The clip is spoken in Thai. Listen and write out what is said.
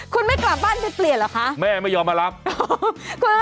คุณไม่กลับบ้านที่เปลี่ยนเหรอคะ